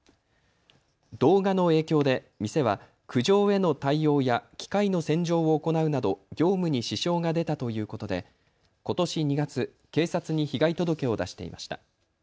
動画の影響で店は苦情への対応や機械の洗浄を行うなど業務に支障が出たということでことし２月、警察に被害届を出していました。